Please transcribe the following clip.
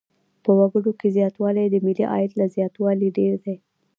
په وګړو کې زیاتوالی د ملي عاید له زیاتوالي ډېر دی.